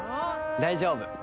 大丈夫。